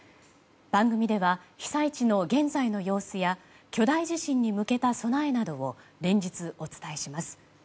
番組では被災地の現在の様子や巨大地震に向けた備えなどを連日、お伝えします。